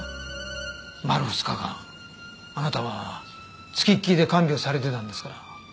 丸２日間あなたは付きっきりで看病されてたんですから。